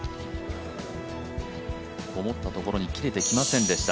思ったところに切れてきませんでした。